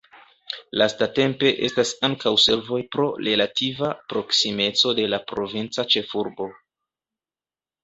Lastatempe estas ankaŭ servoj pro relativa proksimeco de la provinca ĉefurbo.